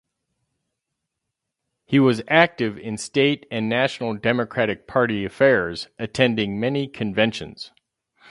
He was active in state and national Democratic party affairs, attending many conventions.